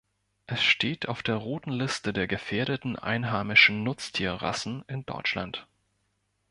Es steht auf der Roten Liste der gefährdeten einheimischen Nutztierrassen in Deutschland.